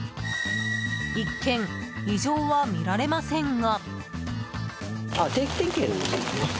一見、異常は見られませんが。